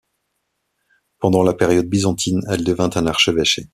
Pendant la période byzantine, elle devint un archevêché.